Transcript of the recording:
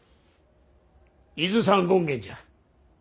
伊豆山権現じゃ。